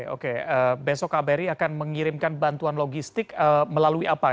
oke besok kbri akan mengirimkan bantuan logistik melalui apa